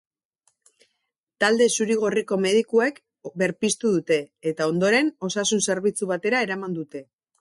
Talde zuri-gorriko medikuek berpiztu dute eta ondoren osasun-zerbitzu batera eraman dute.